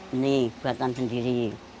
ini buatan sendiri